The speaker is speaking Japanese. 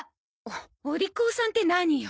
お利口さんって何よ。